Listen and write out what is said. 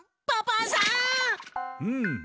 パパさん！